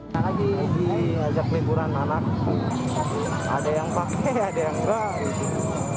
lagi di ajak liburan anak ada yang pakai ada yang enggak